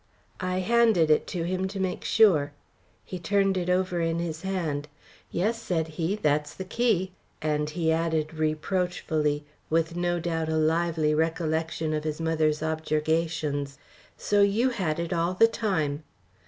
I handed it to him to make sure. He turned it over in his hand. "Yes," said he, "that's the key;" and he added reproachfully, with no doubt a lively recollection of his mother's objurgations: "So you had it all the time."